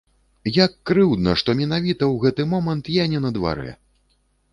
Як крыўдна, што менавіта ў гэты момант я не на дварэ!